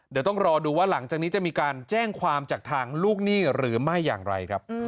เดี๋ยวต้องรอดูว่าหลังจากนี้จะมีการแจ้งความจากทางลูกหนี้หรือไม่อย่างไรครับ